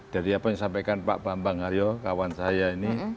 dari apa yang disampaikan pak bambang aryo kawan saya ini